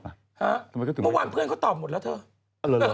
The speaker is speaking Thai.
เหมาะบางวันเพื่อนเขาตอบหมดแล้วเถอะ